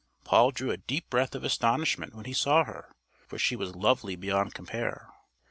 Paul drew a deep breath of astonishment when he saw her, for she was lovely beyond compare.